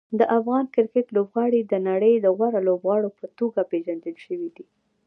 د افغان کرکټ لوبغاړي د نړۍ د غوره لوبغاړو په توګه پېژندل شوي دي.